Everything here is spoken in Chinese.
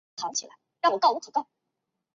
他就读时则曾经两度骨折。